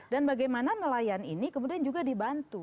dan bagaimana nelayan ini kemudian juga dibantu